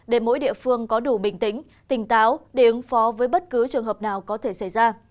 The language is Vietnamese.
để mỗi địa phương có đủ bình tĩnh tỉnh táo để ứng phó với bất cứ trường hợp nào có thể xảy ra